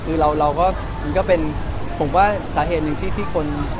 คือเรานะนุ้ยก็เป็นผมว่าสาเหตุนึงที่คนดู